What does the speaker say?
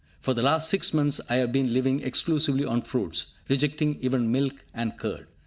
For the last six months I have been living exclusively on fruits rejecting even milk and curd.